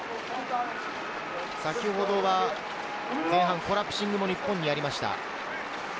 先ほどは前半、コラプシングも日本にありました。